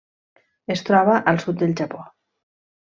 Es troba al sud del Japó.